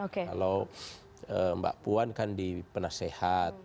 kalau mbak puan kan di penasehat